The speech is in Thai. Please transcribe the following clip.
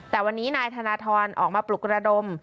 แต่วันนี้นายธนทรออกมาปลุกระดม